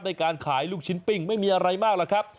ในการขายลูกชิ้นปิ้งไม่มีอะไรมากหรอกครับ